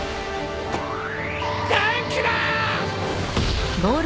ダンクだ！